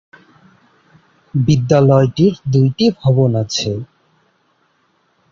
বিদ্যালয়টির দুইটি ভবন আছে।